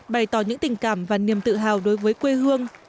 bày tỏ những tình cảm và niềm tự hào đối với quê hương